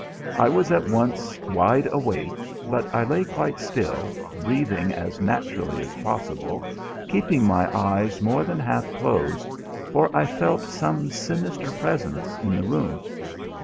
I was at once wide awake, but I lay quite still, breathing as naturally as possible, keeping my eyes more than half closed, for I felt some sinister presence in the room.